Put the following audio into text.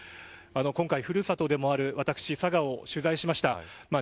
今回ふるさとでもある佐賀を取材しました。